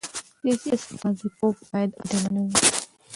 سیاسي استازیتوب باید عادلانه وي